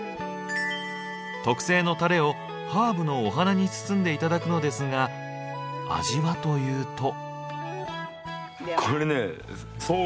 特製のタレをハーブのお花に包んで頂くのですが味はというと。